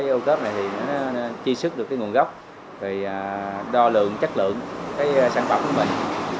ô cớp này chi sức được nguồn gốc đo lượng chất lượng sản phẩm của mình